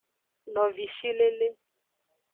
Novishilele.